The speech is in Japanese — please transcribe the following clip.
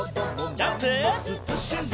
ジャンプ！